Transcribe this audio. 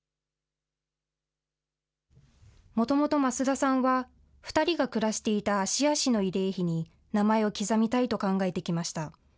もともと増田さんは、２人が暮らしていた芦屋市の慰霊碑に名前を刻みたいと考えてきました。